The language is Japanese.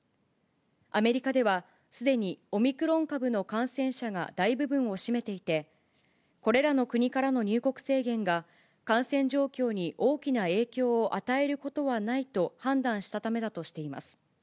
アメリカでは、すでにオミクロン株の感染者が大部分を占めていて、これらの国からの入国制限が、感染状況に大きな影響を与えることはないと判断したためだとしています。